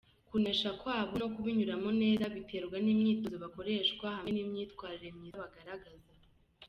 Kunesha kwabo no kubinyuramo neza biterwa n’imyitozo bakoreshwa hamwe n’imyitwarire myiza bagaragaza.